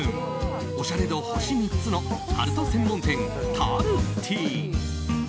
オシャレ度、星３つのタルト専門店タルティン。